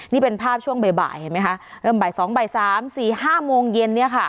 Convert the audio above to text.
นี่เป็นภาพช่วงบ่ายเห็นมั้ยคะเริ่มใบ๒บ่าย๓บ่าย๔บ่าย๕โมงเย็นเนี่ยค่ะ